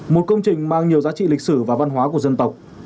một công trình mang nhiều giá trị lịch sử và văn hóa của dân tộc